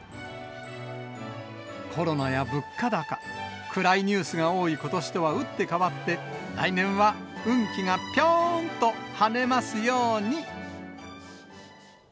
コロナや物価高、暗いニュースが多いことしとは打って変わって、来年は運気がぴょーんと跳ねますように。